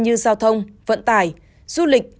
như giao thông vận tải du lịch